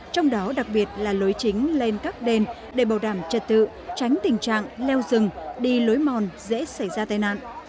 trong đó đặc biệt là lối chính lên các đền để bảo đảm trật tự tránh tình trạng leo rừng đi lối mòn dễ xảy ra tai nạn